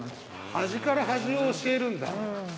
端から端を教えるんだ。